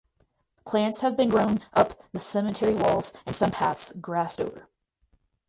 Plants have been grown up the cemetery walls and some paths grassed over.